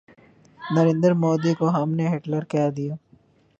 نریندر مودی کو ہم نے ہٹلر کہہ دیا۔